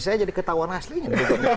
saya jadi ketahuan aslinya